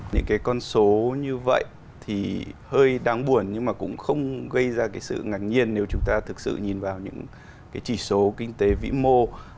những cái con số như vậy thì hơi đáng buồn nhưng mà cũng không gây ra cái sự ngạc nhiên nếu chúng ta thực sự nhìn vào những cái chỉ số kinh tế vĩ mô